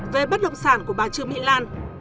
về bất động sản của bà trương mỹ lan